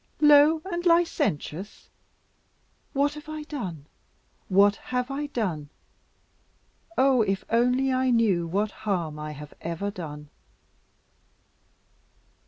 Low and licentious! What have I done? what have I done? Oh, it I only knew what harm I have ever done!"